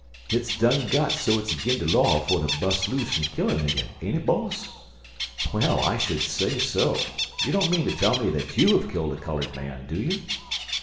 Hit's done got so it's agin de law fer ter bus' loose an' kill a nigger, ain't it, boss?" "Well, I should say so. You don't mean to tell me that you have killed a colored man, do you?"